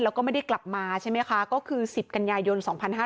แล้วก็ไม่ได้กลับมาใช่ไหมคะก็คือ๑๐กันยายน๒๕๕๙